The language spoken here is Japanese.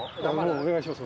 お願いします